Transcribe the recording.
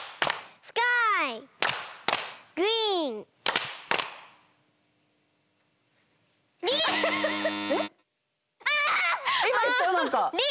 いまいったよなんか。